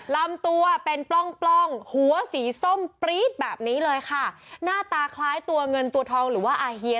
ลำตัวเป็นปล้องปล้องหัวสีส้มปรี๊ดแบบนี้เลยค่ะหน้าตาคล้ายตัวเงินตัวทองหรือว่าอาเฮีย